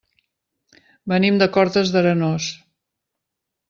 Venim de Cortes d'Arenós.